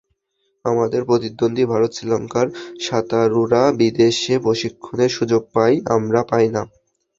আমাদের প্রতিদ্বন্দ্বী ভারত-শ্রীলঙ্কার সাঁতারুরা বিদেশে প্রশিক্ষণের সুযোগ পায়, আমরা পাই না।